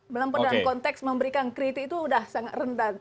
melempem dalam konteks memberikan kritik itu udah sangat rendah